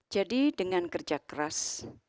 jadi dengan kerja keras